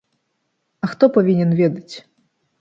А хто павінен ведаць?